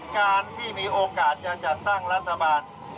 การที่มีโอกาสจะจัดตั้งรัฐบาล